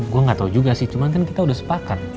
gue gak tau juga sih cuman kan kita udah sepakat